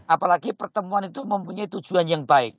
apalagi pertemuan itu mempunyai tujuan yang baik